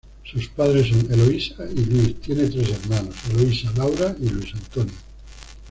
Sus padres son Eloisa y Luís, tiene tres hermanos, Eloisa, Laura y Luis Antonio.